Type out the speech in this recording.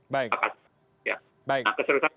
pakas nah keseriusan